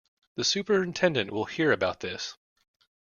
The superintendent will hear about this.